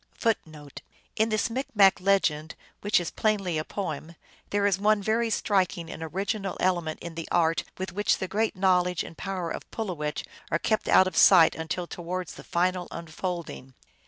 1 1 In this Micmac legend, which is plainly a poem, there is one very striking and original element in the art with which the great knowledge and power of Pulowech are kept out of sight until towards the final unfolding.